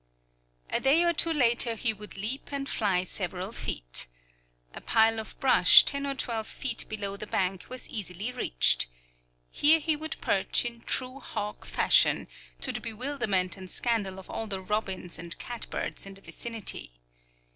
A day or two later he would leap and fly several feet. A pile of brush ten or twelve feet below the bank was easily reached. Here he would perch in true hawk fashion, to the bewilderment and scandal of all the robins and catbirds in the vicinity.